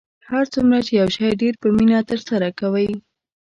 هر څومره چې یو شی ډیر په مینه ترسره کوئ